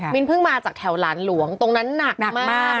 เพิ่งมาจากแถวหลานหลวงตรงนั้นหนักมาก